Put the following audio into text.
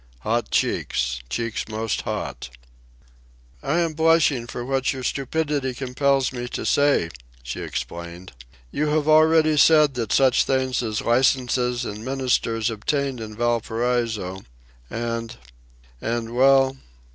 "Hot cheeks—cheeks most hot." "I am blushing for what your stupidity compels me to say," she explained. "You have already said that such things as licences and ministers obtain in Valparaiso ... and ... and, well